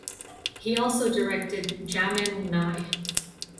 He also directed "Jamin Nai".